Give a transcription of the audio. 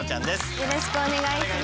よろしくお願いします。